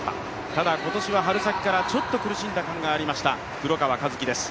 ただ今年は春先から、ちょっと苦しんだ感がありました黒川和樹です。